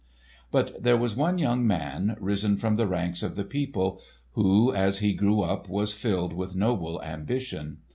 But there was one young man, risen from the ranks of the people, who as he grew up was filled with noble ambition.